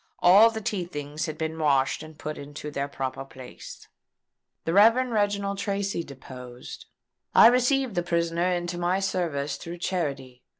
All the tea things had been washed and put into their proper place." The Rev. Reginald Tracy deposed: "I received the prisoner into my service through charity.